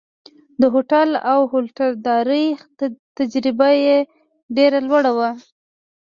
د هوټل او هوټلدارۍ تجربه یې ډېره لوړه وه.